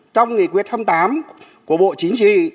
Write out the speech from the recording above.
trong nghị quyết hai mươi tám của bộ chính trị